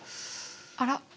あら。